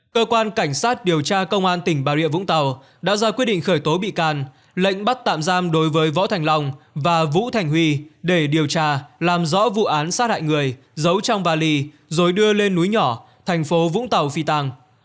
cơ quan cảnh sát điều tra công an tỉnh bà rịa vũng tàu đã ra quyết định khởi tố bị can lệnh bắt tạm giam đối với võ thành long và vũ thành huy để điều tra làm rõ vụ án sát hại người giấu trong vali rồi đưa lên núi nhỏ thành phố vũng tàu phi tàng